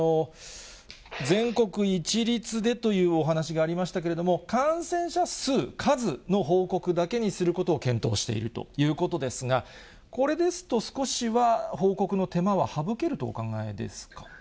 全国一律でというお話がありましたけれども、感染者数、数の報告だけにすることを検討しているということですが、これですと、少しは報告の手間は省けるとお考えですか。